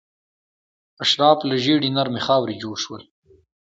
اشراف له ژیړې نرمې خاورې جوړ شول.